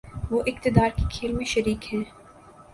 وہ اقتدار کے کھیل میں شریک ہیں۔